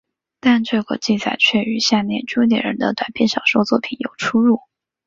但这个记载却与下列朱点人的短篇小说作品有出入。